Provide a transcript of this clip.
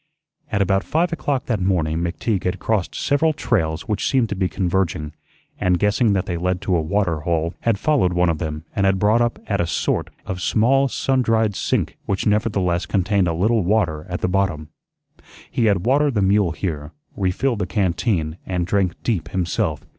At about five o'clock that morning McTeague had crossed several trails which seemed to be converging, and, guessing that they led to a water hole, had followed one of them and had brought up at a sort of small sundried sink which nevertheless contained a little water at the bottom. He had watered the mule here, refilled the canteen, and drank deep himself.